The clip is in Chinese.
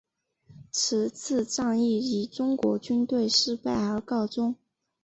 此次战役以中国军队失败而告终。